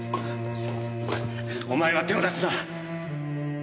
お前は手を出すな！